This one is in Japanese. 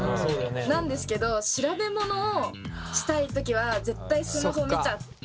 なんですけど調べ物をしたい時は絶対スマホを見ちゃって。